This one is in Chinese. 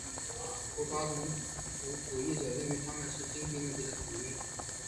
古巴种族主义者认为他们是经济问题的主因。